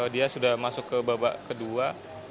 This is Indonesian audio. dia sudah masuk ke babak kedua